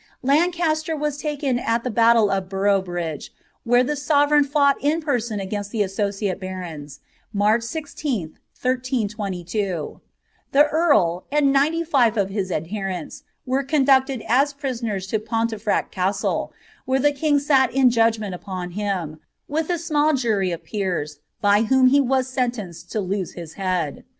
Lancaster was taken at the battle of Boroughbridge, where the sove ngn fought in person against the associate barons, March 16th, 1322. lie earl, and ninety five of his adherents, were conducted as prisoners » Poatefiaet Castle, where the king sat in judgment upon him, with a nail jury of peers, by whom he was sentenced to lose his head.